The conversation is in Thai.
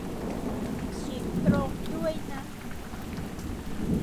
ฉีกตรงด้วยนะ